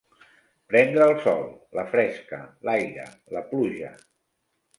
Prendre el sol, la fresca, l'aire, la pluja.